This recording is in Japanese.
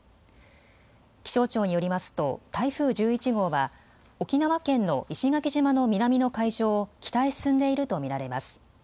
気象庁によりますと台風１１号は沖縄県の石垣島の南の海上を北へ進んでいると見られます。